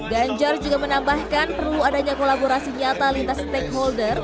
ganjar juga menambahkan perlu adanya kolaborasi nyata lintas stakeholder